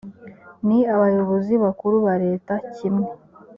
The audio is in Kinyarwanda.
ni abayobozi bakuru ba leta kimwe